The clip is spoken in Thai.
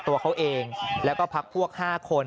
ตัวเขาเองแล้วก็พักพวก๕คน